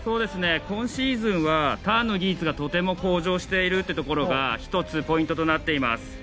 今シーズンはターンの技術がとても向上しているというところが１つ、ポイントとなっています。